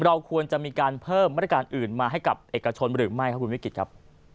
เราควรจะมีการเพิ่มมาตรการอื่นมาให้กับเอกชนหรือไม่ครับคุณวิกฤตครับ